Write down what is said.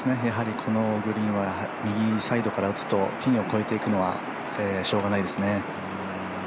やはりこのグリーンは右サイドから打つと、ピンを越えていくのはしようがないですね。